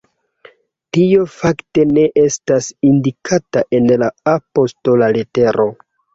Tio fakte ne estas indikata en la apostola letero”.